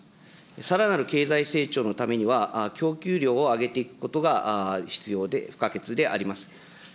さらなる経済成長のためには、供給量を上げていくことが必要不可欠であります。